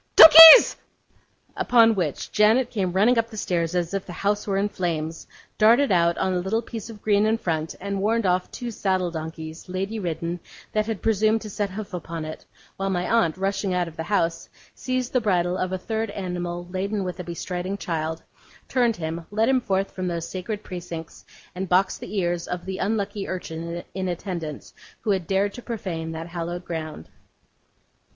Donkeys!' Upon which, Janet came running up the stairs as if the house were in flames, darted out on a little piece of green in front, and warned off two saddle donkeys, lady ridden, that had presumed to set hoof upon it; while my aunt, rushing out of the house, seized the bridle of a third animal laden with a bestriding child, turned him, led him forth from those sacred precincts, and boxed the ears of the unlucky urchin in attendance who had dared to profane that hallowed ground.